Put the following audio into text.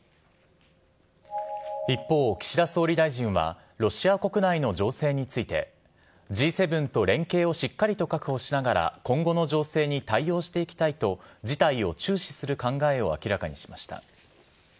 一方、岸田総理大臣は、ロシア国内の情勢について、Ｇ７と連携をしっかりと確保しながら、今後の情勢に対応していきたいと、事態を注視する考えを明らかにしました。